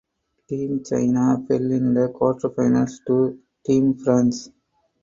Team China fell in the quarterfinals to Team France.